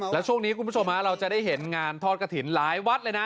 แล้วช่วงนี้คุณผู้ชมเราจะได้เห็นงานทอดกระถิ่นหลายวัดเลยนะ